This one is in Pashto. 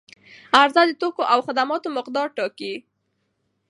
عرضه د توکو او خدماتو مقدار ټاکي.